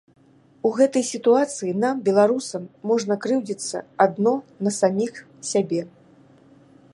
У гэтай сітуацыі нам, беларусам, можна крыўдзіцца адно на саміх сябе!